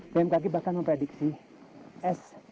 pmkg bahkan memprediksi es